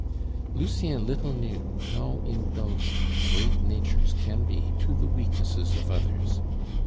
Lucien little knew how indulgent great natures can be to the weaknesses of others.